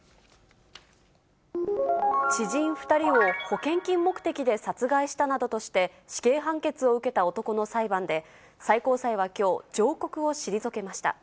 知人２人を保険金目的で殺害したなどとして、死刑判決を受けた男の裁判で、最高裁はきょう、上告を退けました。